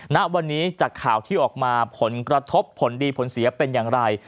ณวันนี้จากข่าวที่ออกมาผลกระทบผลดีผลเสียเป็นอย่างไร